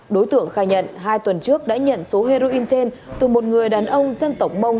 đối tượng khai nhận hai tuần trước đã nhận số heroin trên từ một người đàn ông dân tộc mông